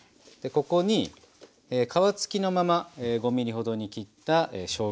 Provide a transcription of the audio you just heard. ここに皮付きのまま５ｍｍほどに切ったしょうが。